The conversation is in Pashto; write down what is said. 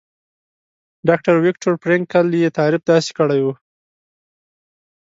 ډاکټر ويکټور فرېنکل يې تعريف داسې کړی وو.